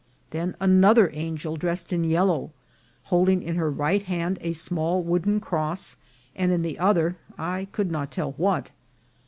Then an other angel, dressed in yellow, holding in her right hand a small wooden cross, and in the other I could not tell what.